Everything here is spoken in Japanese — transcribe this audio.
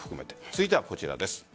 続いてはこちらです。